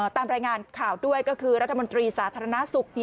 ตามรายงานข่าวด้วยก็คือรัฐมนตรีสาธารณสุข